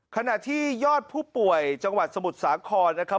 ขณะที่ยอดผู้ป่วยจังหวัดสมุทรสาครนะครับ